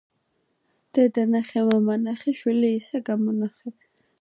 დედა ნახე, მამა ნახე, შვილი ისე გამონახე.